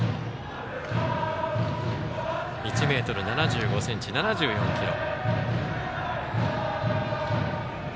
１ｍ７５ｃｍ、７４ｋｇ。